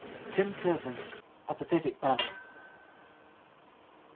TIM TURPIN. A PATHETIC BALLAD.